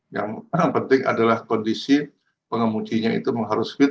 yang penting adalah kondisi pengemudinya itu mengharus fit